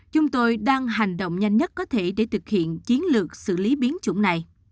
chúng tôi đang hành động nhanh nhất có thể để thực hiện chiến lược xử lý biến chủng này